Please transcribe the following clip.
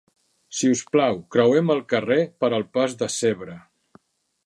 Si us plau creuem el carrer per el pas de zebra